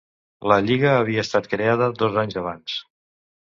La lliga havia estat creada dos anys abans.